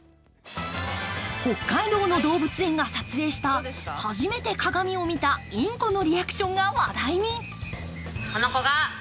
北海道の動物園が撮影した初めて鏡を見たインコのリアクションが話題に。